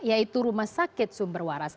yaitu rumah sakit sumber waras